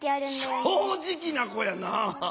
正直な子やな。